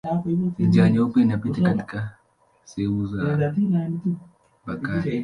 Njia Nyeupe inapita katika sehemu ya Bakari.